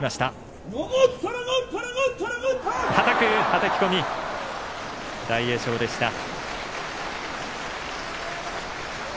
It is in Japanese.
はたき込み、大栄翔でした。